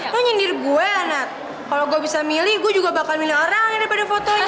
mau nyindir gue anak kalau gue bisa milih gue juga bakal milih orang daripada fotonya